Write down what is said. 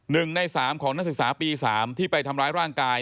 ๑ใน๓ของนักศึกษาปี๓ที่ไปทำร้ายร่างกาย